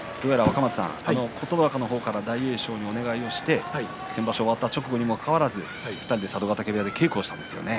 琴ノ若の方から大栄翔にお願いして先場所終わった直後にもかかわらず２人で佐渡ヶ嶽部屋で稽古をしたと。